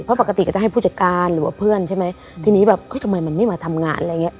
เพราะปกติก็จะให้ผู้จัดการหรือว่าเพื่อนใช่ไหมทีนี้แบบทำไมมันไม่มาทำงานอะไรอย่างเงี้